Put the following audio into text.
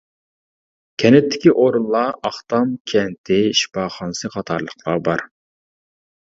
كەنتتىكى ئورۇنلار ئاقتام كەنتى شىپاخانىسى قاتارلىقلار بار.